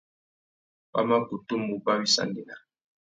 Wa mà kutu mù uba wissangüena.